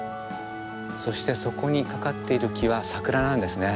そしてそこにかかっている木は桜なんですね。